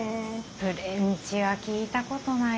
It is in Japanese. フレンチは聞いたことないですね。